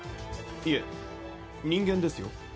いえ人間ですよ。